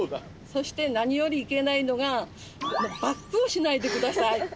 そして何よりいけないのがバックをしないで下さい。